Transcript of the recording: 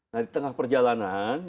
nah di tengah perjalanan